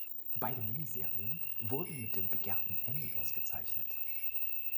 Beide Miniserien wurden mit dem begehrten Emmy ausgezeichnet.